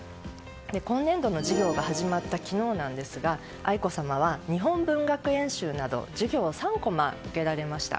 今年度の授業が始まった昨日なんですが愛子さまは日本文学演習など授業を３コマ受けられました。